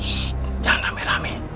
shhh jangan rame rame